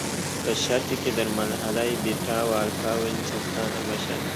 به شرطی که در مرحله بتا و آلفا و این چیزها نباشد.